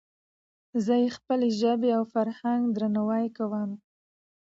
زه د خپلي ژبي او فرهنګ درناوی کوم.